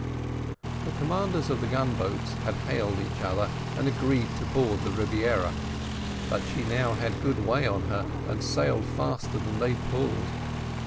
The commanders of the gun boats had hailed each other, and agreed to board the Rebiera, but she now had good way on her, and sailed faster than they pulled.